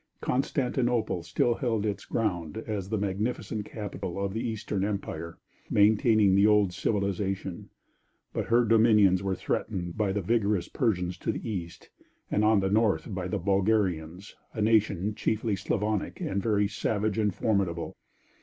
Constantinople still held its ground as the magnificent capital of the Eastern Empire, maintaining the old civilization, but her dominions were threatened by the vigorous Persians on the east, and on the north by the Bulgarians, a nation chiefly Slavonic and very savage and formidable.